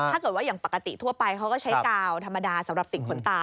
ถ้าเกิดว่าอย่างปกติทั่วไปเขาก็ใช้กาวธรรมดาสำหรับติดขนตา